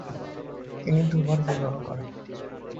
তিনি দু-বার বিবাহ করেন।